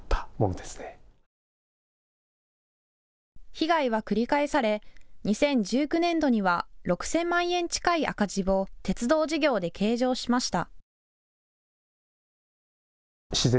被害は繰り返され２０１９年度には６０００万円近い赤字を鉄道事業で計上しました。